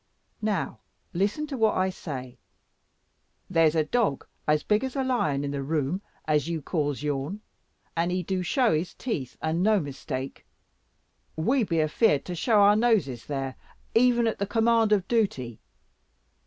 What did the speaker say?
Now listen to what I say. There's a dog as big as a lion in the room as you calls yourn; and he do show his teeth, and no mistake. We be afeared to show our noses there, even at the command of dooty.